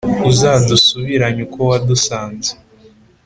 Uzadusubiranye uko wadusanze